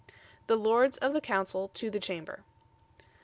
The Lords of the Council to the Chamber.